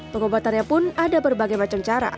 pengobatannya pun ada berbagai macam cara